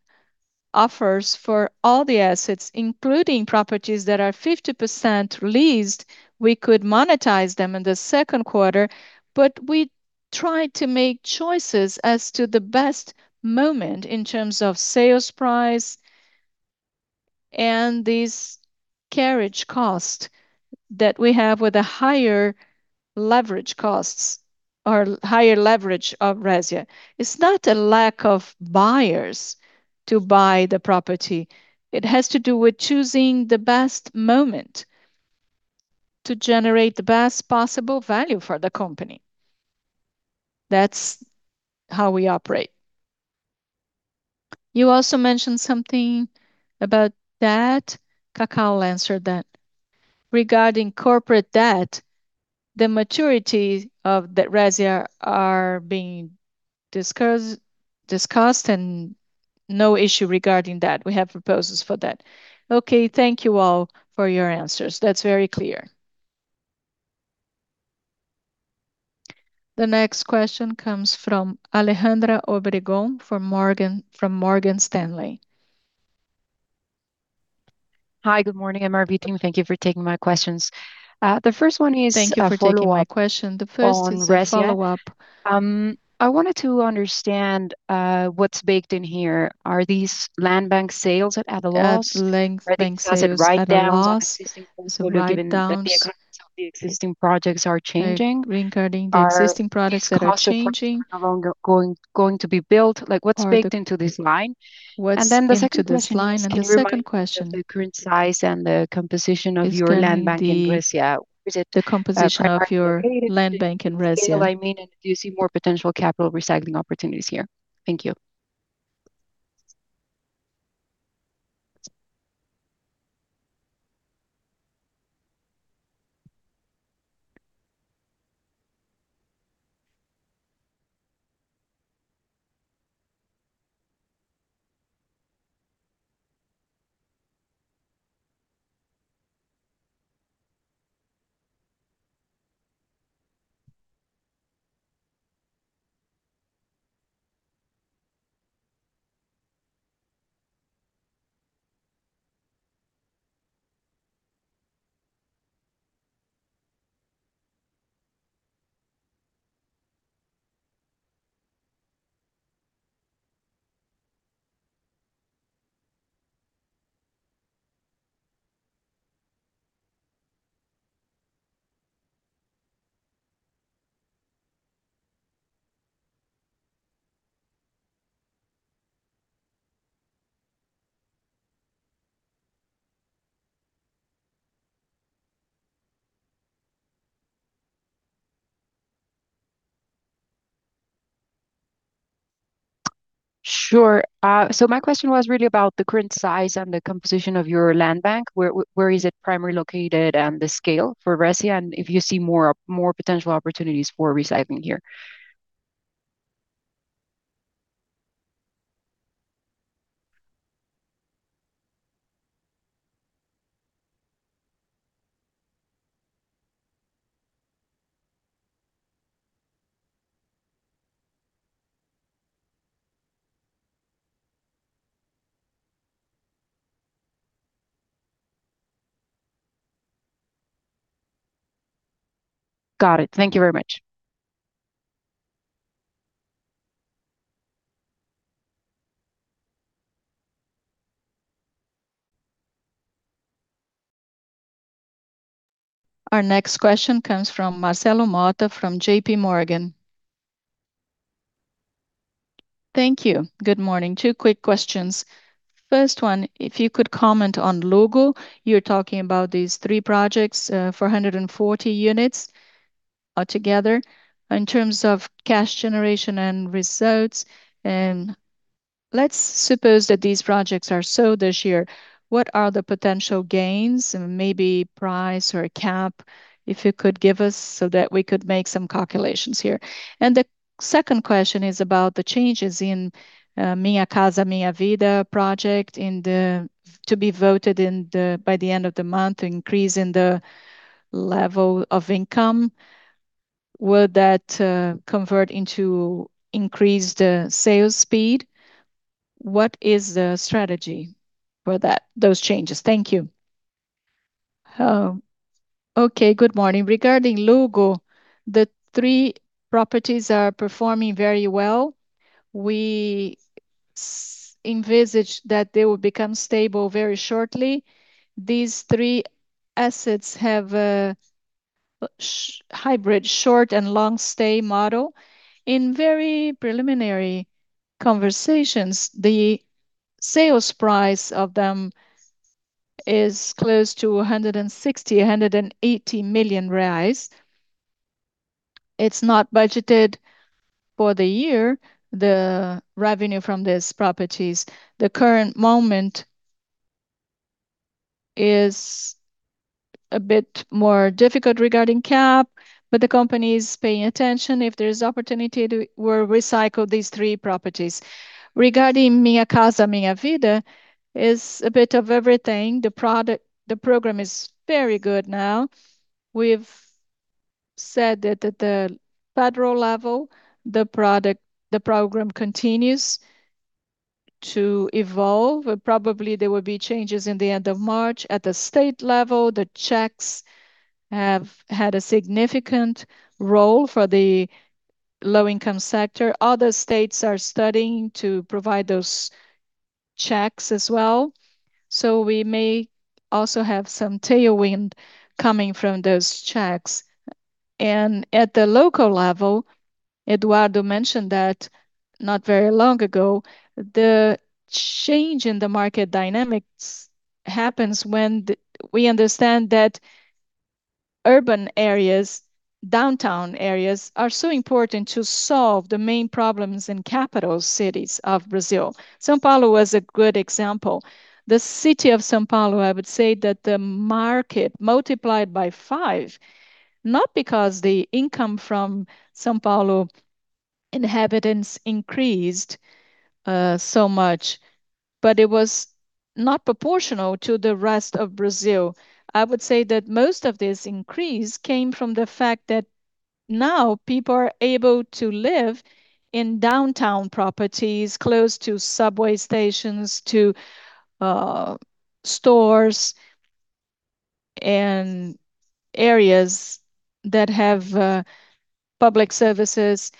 offers for all the assets, including properties that are 50% leased. We could monetize them in the second quarter, we try to make choices as to the best moment in terms of sales price and these carriage cost that we have with the higher leverage costs or higher leverage of Resia. It's not a lack of buyers to buy the property. It has to do with choosing the best moment to generate the best possible value for the company. That's how we operate. You also mentioned something about debt. Ricardo will answer that. Regarding corporate debt, the maturity of the Resia are being discussed and no issue regarding that. We have proposals for that. Okay, thank you all for your answers. That's very clear. The next question comes from Alejandra Obregón from Morgan Stanley. Hi, good morning, MRV team. Thank you for taking my questions. The first one is a follow-up- Thank you for taking my question. The first is a follow-up... on Resia. I wanted to understand what's baked in here. Are these land bank sales at a loss? At length bank sales at a loss. Does it write down some existing portfolio given that the economics of the existing projects are changing? Regarding the existing projects that are changing. Are these costs no longer going to be built? Like, what's baked into this line? What's baked into this line. The second question? The second question, can you remind me of the current size and the composition of your land bank in Resia? Is the composition of your land bank in Resia. Where is it primarily located and the scale I mean, and do you see more potential capital recycling opportunities here? Thank you. Sure. My question was really about the current size and the composition of your land bank. Where is it primarily located and the scale for Resia, and if you see more potential opportunities for recycling here. Got it. Thank you very much. Our next question comes from Marcelo Motta from JPMorgan. Thank you. Good morning. Two quick questions. First one, if you could comment on Luggo. You're talking about these three projects, 440 units altogether. In terms of cash generation and results, and let's suppose that these projects are sold this year. What are the potential gains? Maybe price or a cap, if you could give us so that we could make some calculations here. And the second question is about the changes in Minha Casa, Minha Vida project in the... to be voted by the end of the month, increase in the level of income. Would that convert into increased sales speed? What is the strategy for that, those changes? Thank you. Okay. Good morning. Regarding Luggo, the three properties are performing very well. We envisage that they will become stable very shortly. These three assets have a hybrid short and long stay model. In very preliminary conversations, the sales price of them is close to 160 million-180 million reais. It's not budgeted for the year, the revenue from these properties. The current moment is a bit more difficult regarding cap, but the company is paying attention. If there's opportunity to, we'll recycle these three properties. Regarding Minha Casa, Minha Vida is a bit of everything. The program is very good now. We've said that at the federal level, the product, the program continues to evolve. Probably there will be changes in the end of March. At the state level, the checks have had a significant role for the low income sector. Other states are studying to provide those checks as well, we may also have some tailwind coming from those checks. At the local level, Eduardo mentioned that not very long ago, the change in the market dynamics happens when we understand that urban areas, downtown areas are so important to solve the main problems in capital cities of Brazil. São Paulo was a good example. The city of São Paulo, I would say that the market multiplied by five, not because the income from São Paulo inhabitants increased so much, but it was not proportional to the rest of Brazil. I would say that most of this increase came from the fact that now people are able to live in downtown properties close to subway stations, to stores and areas that have public services.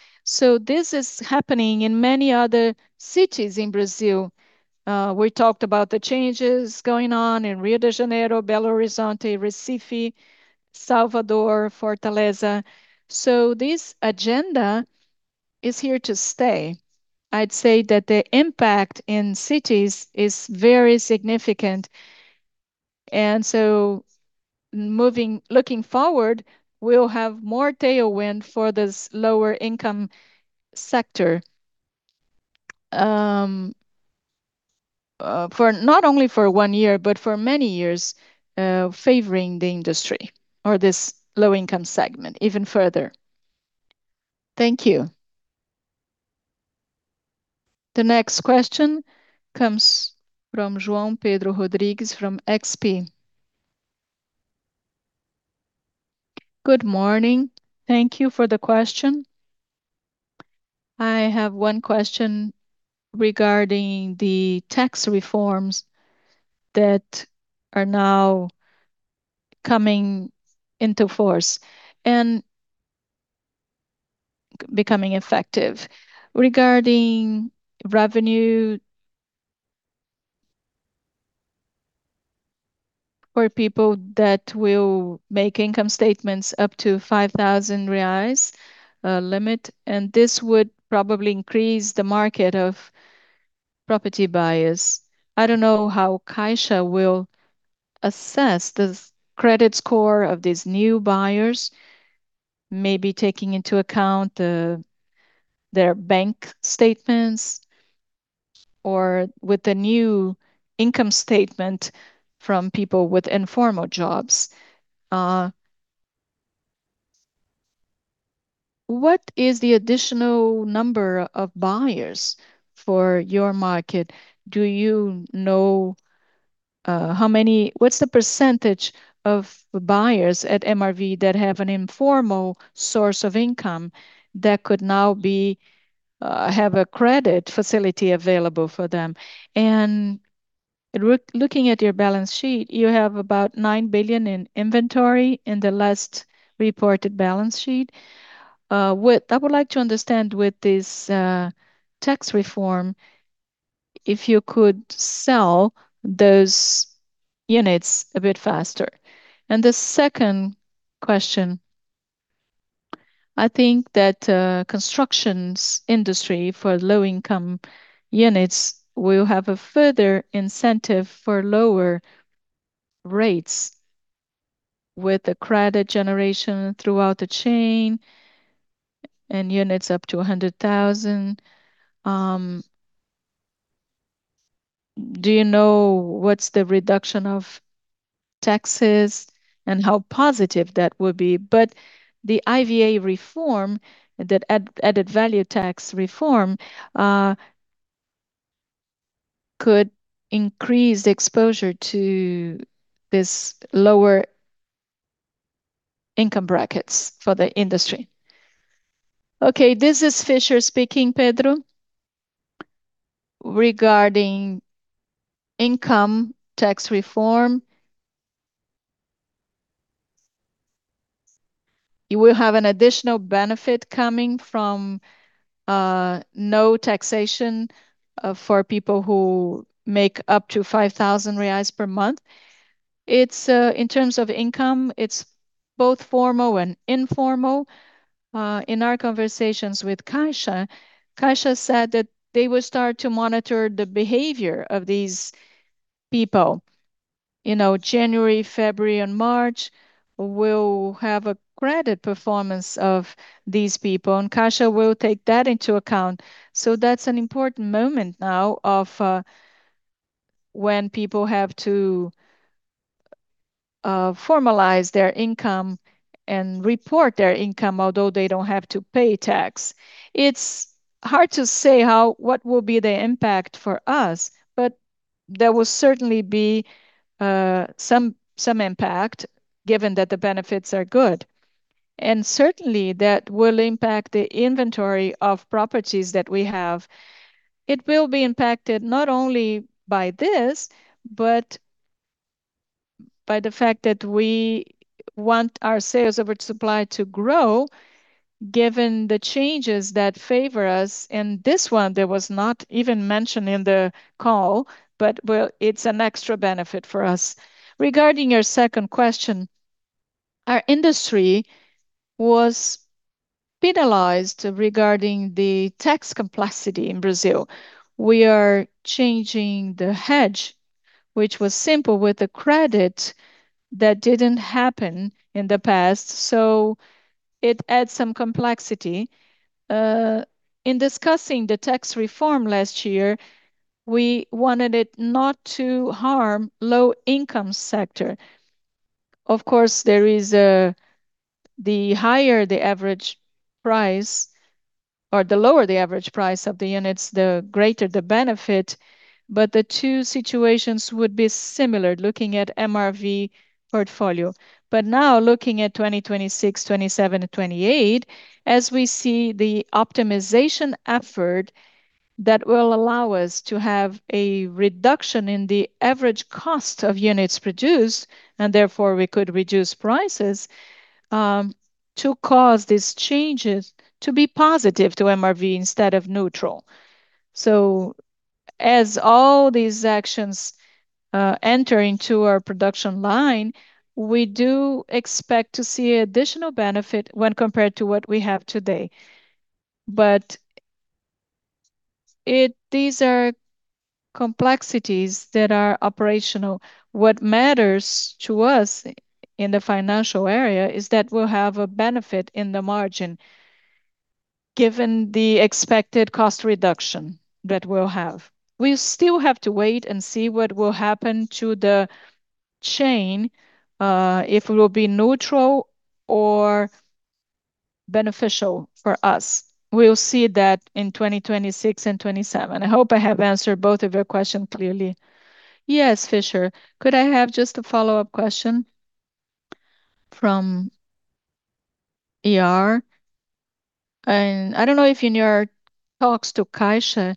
This is happening in many other cities in Brazil. We talked about the changes going on in Rio de Janeiro, Belo Horizonte, Recife, Salvador, Fortaleza. This agenda is here to stay. I'd say that the impact in cities is very significant. Looking forward, we'll have more tailwind for this lower income sector for not only for one year but for many years, favoring the industry or this low income segment even further. Thank you. The next question comes from Joao Pedro Rodrigues from XP. Good morning. Thank you for the question. I have one question regarding the tax reforms that are now coming into force and becoming effective. Regarding revenue for people that will make income statements up to 5,000 reais limit, this would probably increase the market of property buyers. I don't know how Caixa will assess the credit score of these new buyers, maybe taking into account their bank statements or with the new income statement from people with informal jobs. What is the additional number of buyers for your market? Do you know what's the percentage of buyers at MRV that have an informal source of income that could now be have a credit facility available for them? Looking at your balance sheet, you have about 9 billion in inventory in the last reported balance sheet. What I would like to understand with this tax reform, if you could sell those units a bit faster. The second question, I think that constructions industry for low income units will have a further incentive for lower rates with the credit generation throughout the chain and units up to 100,000. Do you know what's the reduction of taxes and how positive that would be? The IVA reform, that added value tax reform, could increase exposure to this lower income brackets for the industry. Okay. This is Fischer speaking, Pedro. Regarding income tax reform, you will have an additional benefit coming from no taxation for people who make up to 5,000 reais per month. It's, in terms of income, it's both formal and informal. In our conversations with Caixa said that they would start to monitor the behavior of these people. You know, January, February and March will have a credit performance of these people, and Caixa will take that into account. That's an important moment now of when people have to formalize their income and report their income, although they don't have to pay tax. It's hard to say what will be the impact for us. There will certainly be some impact given that the benefits are good. Certainly that will impact the inventory of properties that we have. It will be impacted not only by this, but by the fact that we want our sales over supply to grow given the changes that favor us. This one that was not even mentioned in the call. It's an extra benefit for us. Regarding your second question, our industry was penalized regarding the tax complexity in Brazil. We are changing the hedge, which was simple with the credit that didn't happen in the past. It adds some complexity. In discussing the tax reform last year, we wanted it not to harm low income sector. Of course, there is. The higher the average price or the lower the average price of the units, the greater the benefit. The two situations would be similar looking at MRV portfolio. Now looking at 2026, 2027 to 2028, as we see the optimization effort that will allow us to have a reduction in the average cost of units produced and therefore we could reduce prices, to cause these changes to be positive to MRV instead of neutral. As all these actions enter into our production line, we do expect to see additional benefit when compared to what we have today. These are complexities that are operational. What matters to us in the financial area is that we'll have a benefit in the margin given the expected cost reduction that we'll have. We still have to wait and see what will happen to the chain, if it will be neutral or beneficial for us. We'll see that in 2026 and 2027. I hope I have answered both of your question clearly. Yes, Fischer. Could I have just a follow-up question from ER? I don't know if in your talks to Caixa,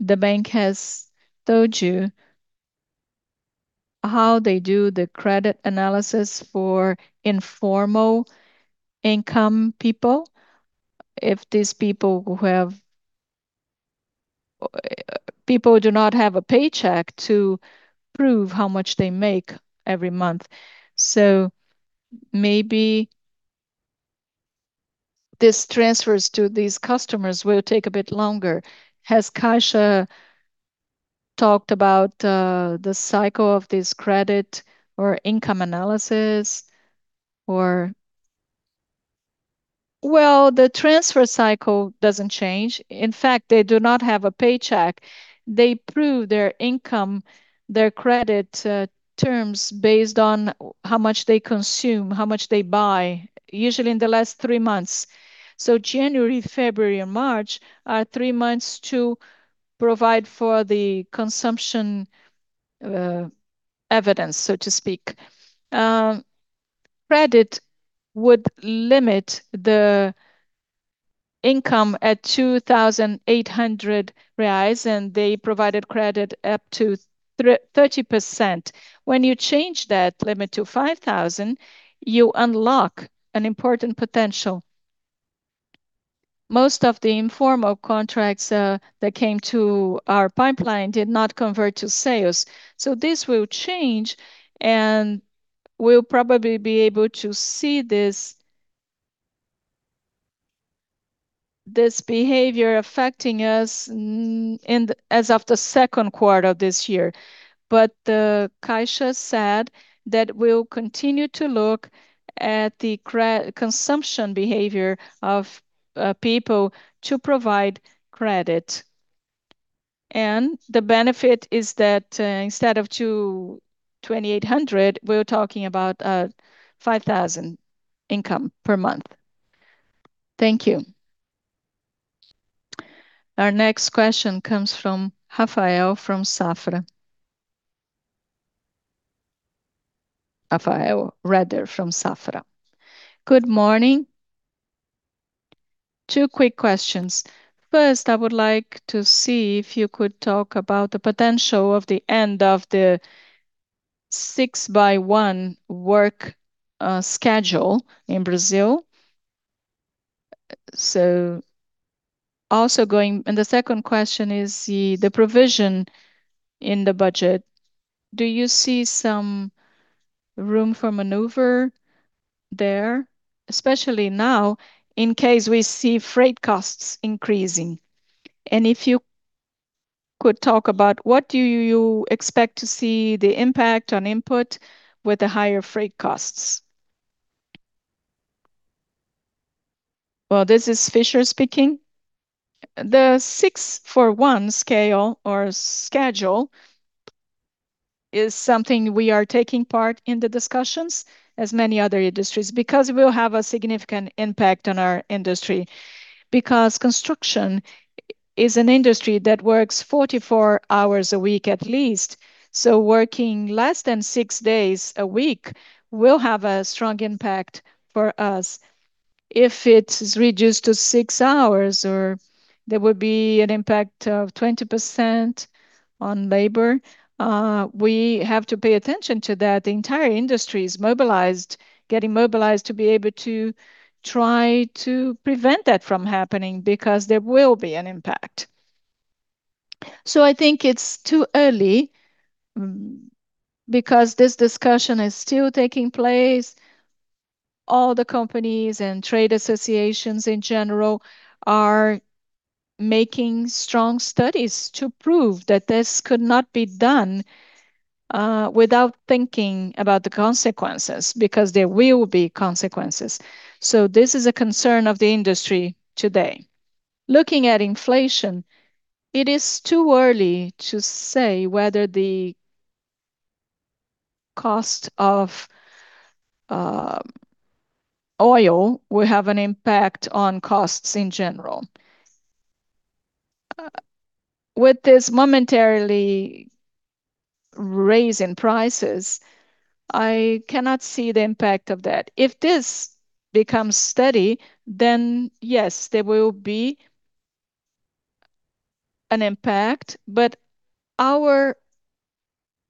the bank has told you how they do the credit analysis for informal income people. People do not have a paycheck to prove how much they make every month, so maybe this transfers to these customers will take a bit longer. Has Caixa talked about the cycle of this credit or income analysis or? Well, the transfer cycle doesn't change. In fact, they do not have a paycheck. They prove their income, their credit, terms based on how much they consume, how much they buy, usually in the last three months. January, February and March are three months to provide for the consumption evidence, so to speak. Credit would limit the income at 2,800 reais, and they provided credit up to 30%. When you change that limit to 5,000, you unlock an important potential. Most of the informal contracts that came to our pipeline did not convert to sales. This will change, and we'll probably be able to see this behavior affecting us in the, as of the 2nd quarter of this year. Caixa said that we'll continue to look at the consumption behavior of people to provide credit. The benefit is that instead of 2,800, we're talking about 5,000 income per month. Thank you. Our next question comes from Rafael from Safra. Rafael Rehder from Safra. Good morning. Two quick questions. First, I would like to see if you could talk about the potential of the end of the 6x1 work schedule in Brazil. Also going... The second question is the provision in the budget. Do you see some room for maneuver there, especially now in case we see freight costs increasing? And if you could talk about what you expect to see the impact on input with the higher freight costs. Well, this is Fischer speaking. The 6x1 scale or schedule is something we are taking part in the discussions, as many other industries, because it will have a significant impact on our industry. Because construction is an industry that works 44 hours a week at least, so working less than six days a week will have a strong impact for us. If it's reduced to six hours or there would be an impact of 20% on labor, we have to pay attention to that. The entire industry is mobilized, getting mobilized to be able to try to prevent that from happening, because there will be an impact. I think it's too early, because this discussion is still taking place. All the companies and trade associations in general are making strong studies to prove that this could not be done, without thinking about the consequences, because there will be consequences. This is a concern of the industry today. Looking at inflation, it is too early to say whether the cost of oil will have an impact on costs in general. With this momentarily raise in prices, I cannot see the impact of that. If this becomes steady, then yes, there will be an impact, but our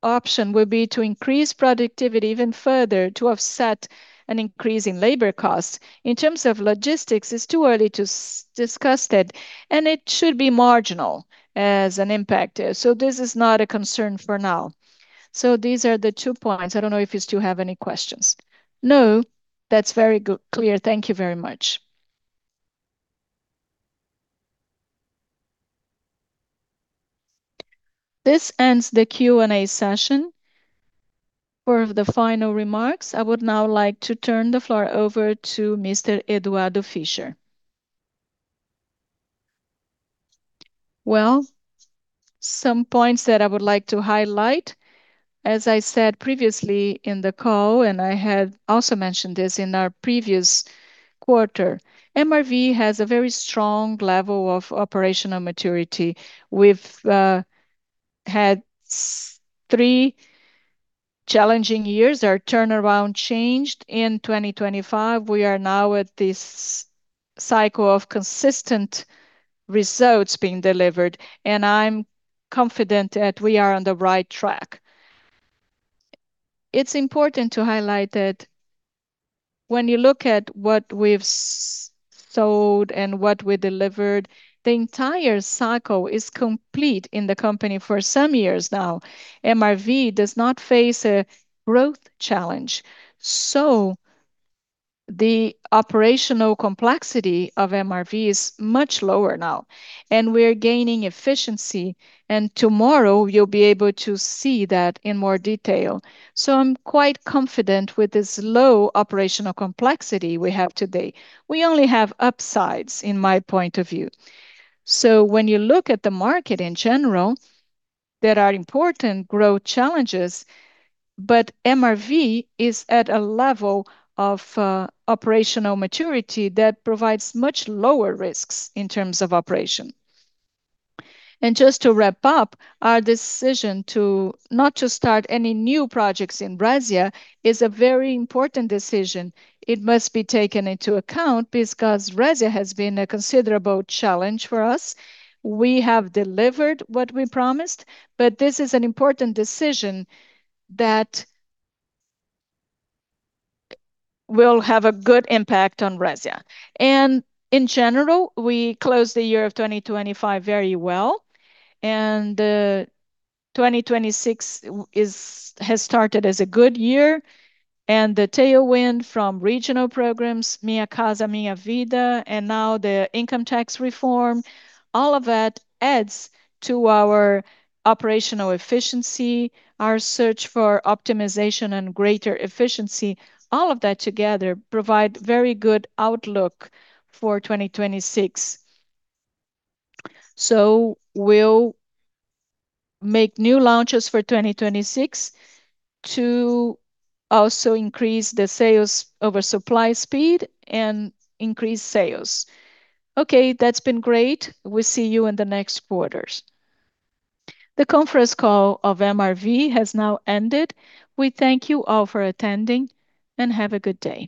option will be to increase productivity even further to offset an increase in labor costs. In terms of logistics, it's too early to discuss that, and it should be marginal as an impact. This is not a concern for now. These are the two points. I don't know if you still have any questions. No, that's very clear. Thank you very much. This ends the Q&A session. For the final remarks, I would now like to turn the floor over to Mr. Eduardo Fischer. Well, some points that I would like to highlight. As I said previously in the call, I had also mentioned this in our previous quarter, MRV has a very strong level of operational maturity. We've had three challenging years. Our turnaround changed in 2025. We are now at this cycle of consistent results being delivered, I'm confident that we are on the right track. It's important to highlight that when you look at what we've sold and what we delivered, the entire cycle is complete in the company for some years now. MRV does not face a growth challenge, the operational complexity of MRV is much lower now, we're gaining efficiency. Tomorrow you'll be able to see that in more detail. I'm quite confident with this low operational complexity we have today. We only have upsides in my point of view. When you look at the market in general, there are important growth challenges, but MRV is at a level of operational maturity that provides much lower risks in terms of operation. Just to wrap up, our decision to not to start any new projects in Brazil is a very important decision. It must be taken into account because Brazil has been a considerable challenge for us. We have delivered what we promised, this is an important decision that will have a good impact on Brazil. In general, we closed the year of 2025 very well, 2026 has started as a good year. The tailwind from regional programs, Minha Casa, Minha Vida, and now the income tax reform, all of that adds to our operational efficiency, our search for optimization and greater efficiency. All of that together provide very good outlook for 2026. We'll make new launches for 2026 to also increase the sales over supply speed and increase sales. Okay, that's been great. We'll see you in the next quarters. The conference call of MRV has now ended. We thank you all for attending, have a good day.